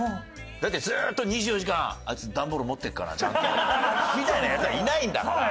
だってずーっと２４時間「あいつ段ボール持ってるかな？ちゃんと」みたいなヤツはいないんだから。